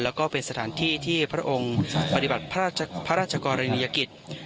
แล้วก็เป็นสถานที่ที่พระองค์ปฏิบัติพระราชกรณียกิจ